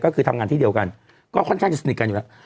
ก็คือทำงานที่เดียวกันก็ค่อนข้างจะสนิทกันอยู่แล้ว